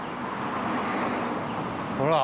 ほら。